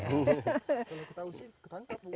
kalau ketahu sih ketangkap bu